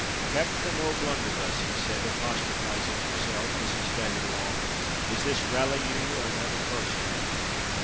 "Capthain O'Bluntherbuss," he said, apostrophising himself, as he staggered along, "is this raly you or another person?